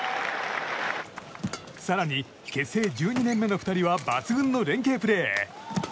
更に結成１２年目の２人は抜群の連係プレー。